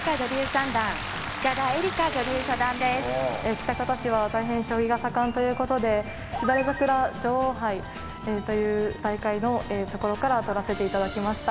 喜多方市は大変将棋が盛んということでしだれざくら女王杯という大会のところからとらせていただきました。